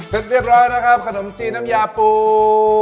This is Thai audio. เรียบร้อยนะครับขนมจีนน้ำยาปู